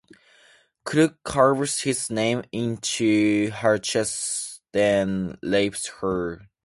Krug carves his name into her chest then rapes her.